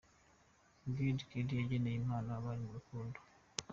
King Giddy yageneye impano abari mu rukundo.